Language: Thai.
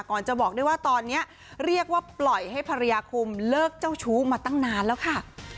จะบอกด้วยว่าตอนนี้เรียกว่าปล่อยให้ภรรยาคุมเลิกเจ้าชู้มาตั้งนานแล้วค่ะ